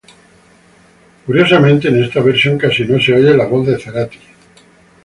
Curiosamente, en esta versión, casi no se oye la voz de Cerati.